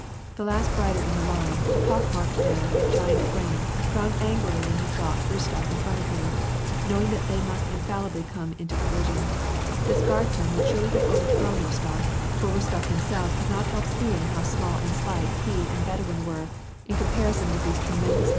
The last rider in the Line, a pock marked man of giant frame, frowned angrily when he saw Kostof in front of him, knowing that they must infallibly come into collision. This Guardsman would surely have overthrown Rostof, — for Kostof himself could not help seeing how small and slight he and Bedouin w t ^ 344 WAR AND PEACE.